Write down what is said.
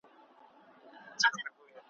رایې کړل څلور ښکلي زامن لکه لعلونه `